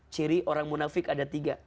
ciri orang munafik ada tiga